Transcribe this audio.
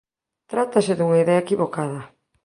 Trátase dunha idea equivocada.